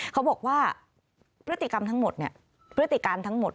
เขาบอกว่าพฤติกรรมทั้งหมดเนี่ยพฤติการทั้งหมด